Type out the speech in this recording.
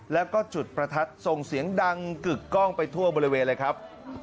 แล้วก็จุดประทัดส่งเสียงดังกึกกล้องไปทั่วบริเวณเลยครับ